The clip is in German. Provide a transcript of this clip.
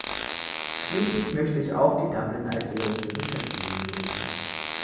Schließlich möchte ich auch die Dubliner Erklärung zur Beschäftigung begrüßen.